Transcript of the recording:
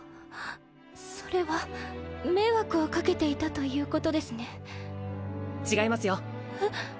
それは迷惑をかけていたということですね違いますよえっ？